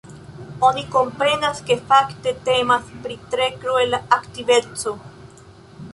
Oni komprenas, ke fakte temas pri tre kruela aktiveco.